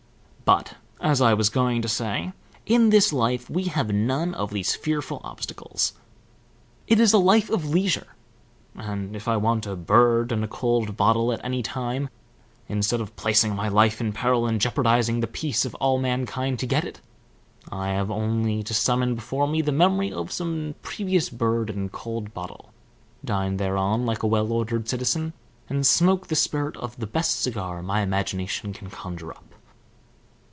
But, as I was going to say, in this life we have none of these fearful obstacles it is a life of leisure; and if I want a bird and a cold bottle at any time, instead of placing my life in peril and jeopardizing the peace of all mankind to get it, I have only to summon before me the memory of some previous bird and cold bottle, dine thereon like a well ordered citizen, and smoke the spirit of the best cigar my imagination can conjure up."